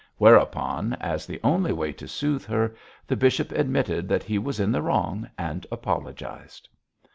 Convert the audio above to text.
Whereupon, as the only way to soothe her, the bishop admitted that he was in the wrong and apologised.